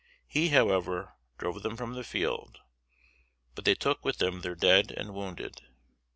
He, however, drove them from the field, but they took with them their dead and wounded.